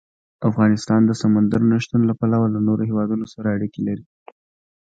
افغانستان د سمندر نه شتون له پلوه له نورو هېوادونو سره اړیکې لري.